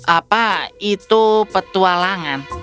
apa itu petualangan